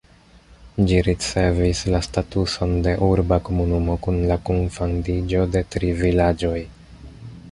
Ĝi ricevis la statuson de urba komunumo kun la kunfandiĝo de tri vilaĝoj.